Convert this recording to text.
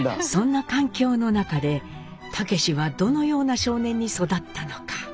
そんな環境の中で武司はどのような少年に育ったのか？